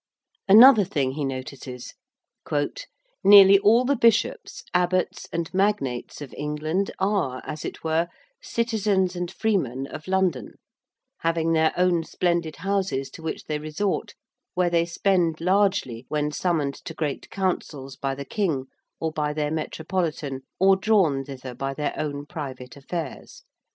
Another thing he notices 'Nearly all the Bishops, Abbots, and Magnates of England are, as it were, citizens and freemen of London; having their own splendid houses to which they resort, where they spend largely when summoned to great Councils by the King, or by their Metropolitan, or drawn thither by their own private affairs.'